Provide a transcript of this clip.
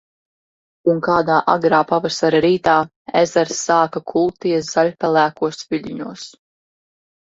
Un kādā agrā pavasara rītā, ezers sāka kulties zaļpelēkos viļņos.